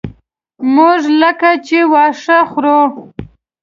موږ لکه چې واښه خورو.